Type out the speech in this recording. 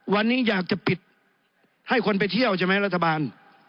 วันนี้อยากจะปิดให้คนไปเที่ยวใช่ไหมรัฐบาล